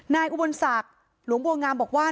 อุบลศักดิ์หลวงบัวงามบอกว่า